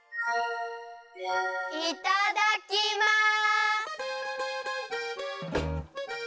いただきます！